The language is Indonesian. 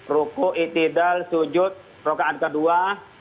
ruku itidal sujud rokaan kedua